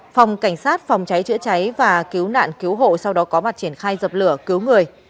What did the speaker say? phòng cảnh sát phòng cháy chữa cháy và cứu nạn cứu hộ sau đó có mặt triển khai dập lửa cứu người